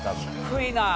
低いなあ。